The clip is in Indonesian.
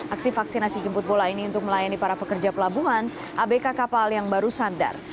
aksi vaksinasi jemput bola ini untuk melayani para pekerja pelabuhan abk kapal yang baru sandar